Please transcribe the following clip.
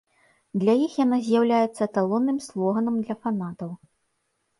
Для іх яна з'яўляецца эталонным слоганам для фанатаў.